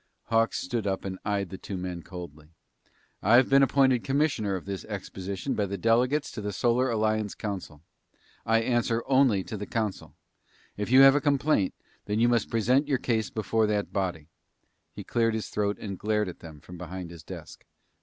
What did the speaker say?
Hawks stood up and eyed the two men coldly. "I've been appointed commissioner of this exposition by the delegates to the Solar Alliance Council. I answer only to the council. If you have a complaint, then you must present your case before that body." He cleared his throat and glared at them from behind his desk.